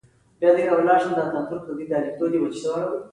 هغه د هوا د څپو له لارې د غږ لېږد غوښت